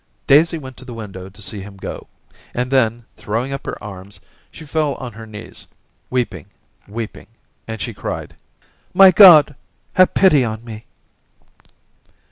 Daisy went to the window to see him go, and then, throwing up her arms, she fell on her knees, weeping, weeping, and she cried, —* My God, have pity on me